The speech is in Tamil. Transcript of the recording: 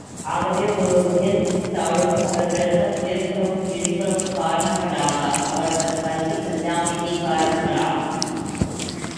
ஆகவே, ஒருவர் உயர்வுக்கும் தாழ்வுக்கும், அவர் பிறந்த உயர்குலமும், இழிகுலமும் காரணங்களாகா அவர்தம் கல்வி கல்லாமையே காரணங்களாம்.